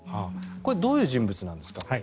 これどういう人物なんですか？